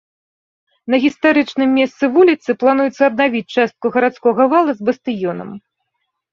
На гістарычным месцы вуліцы плануецца аднавіць частку гарадскога вала з бастыёнам.